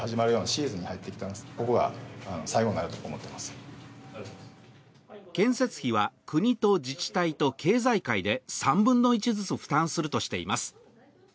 今日は建設費は国と自治体と経済界で３分の１ずつ負担するとしています。